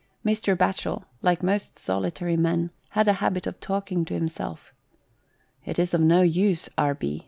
Mr. Batchel, like most solitary men, had a habit of talking to himself. "It is of no use, E. B.